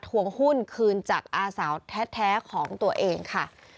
วงหุ้นคืนจากอาสาวแท้ของตัวเองค่ะ